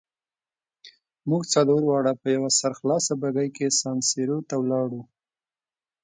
موږ څلور واړه په یوه سرخلاصه بګۍ کې سان سیرو ته ولاړو.